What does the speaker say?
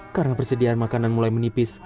karena persediaan makanan mulai menipis